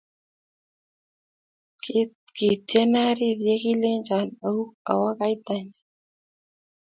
Kitean arir ya kilenchon auu awe kaitanyo